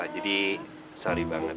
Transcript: jadi sorry banget